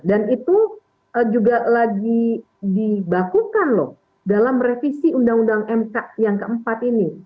dan itu juga lagi dibakukan loh dalam revisi undang undang mk yang keempat ini